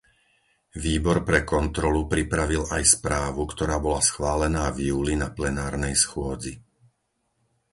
Výbor pre kontrolu pripravil aj správu, ktorá bola schválená v júli na plenárnej schôdzi.